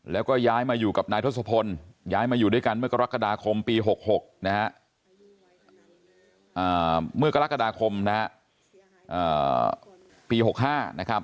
แล้วก็ย้ายมาอยู่กับนายทศพลย้ายมาอยู่ด้วยกันเมื่อกรกฎาคมปี๖๖นะฮะ